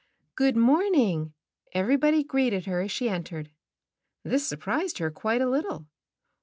''Good morning," everybody greeted her as she entered. This surprised her quite a little.